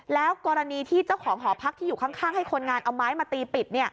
แล้วกรณีที่เจ้าของหอพักที่อยู่ข้างให้คนงานเอาไม้มาตีปิด